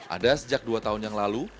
ada sejak dua tahun yang lalu